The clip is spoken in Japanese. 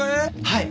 はい。